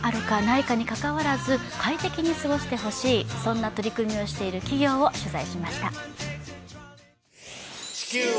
いかにかかわらず、快適に過ごしてほしい、そんな取り組みをしている企業を取材しました。